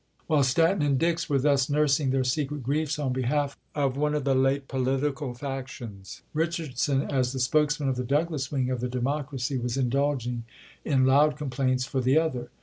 While Stanton and Dix were thus nursing their secret griefs on behalf of one of the late political factions, Richardson, as the spokesman of the Douglas wing of the Democracy, was indulging in loud complaints for the other.